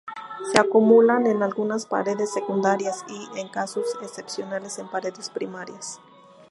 Se acumulan en algunas paredes secundarias y, en casos excepcionales, en paredes primarias.